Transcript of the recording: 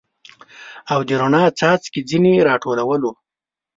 او د رڼا څاڅکي ځیني را ټولوو